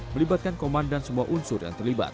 melibatkan komandan semua unsur yang terlibat